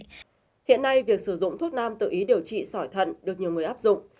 hiện nay việc sử dụng thuốc nam tự ý điều trị sỏi thận được nhiều người áp dụng